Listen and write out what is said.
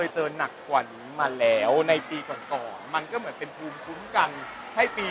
จริงแล้วดีเทลตูมไม่รู้